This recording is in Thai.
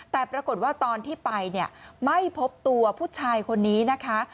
แต่ปรากฏว่าตอนที่ไปเนี่ยไม่พบตัวผู้ชายคนนี้นะคะ